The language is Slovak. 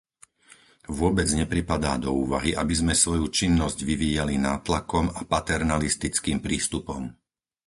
Vôbec nepripadá do úvahy, aby sme svoju činnosť vyvíjali nátlakom a paternalistickým prístupom.